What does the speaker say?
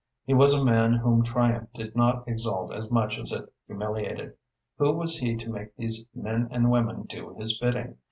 He was a man whom triumph did not exalt as much as it humiliated. Who was he to make these men and women do his bidding?